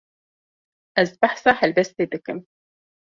Ez behsa helbestê dikim.